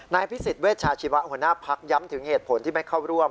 พิสิทธิเวชาชีวะหัวหน้าพักย้ำถึงเหตุผลที่ไม่เข้าร่วม